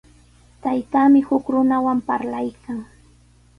Taytaami huk runawan parlaykan.